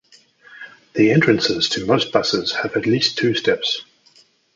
The entrances to most buses have at least two steps.